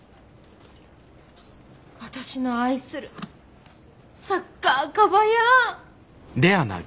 私の愛するサッカーカバヤーン。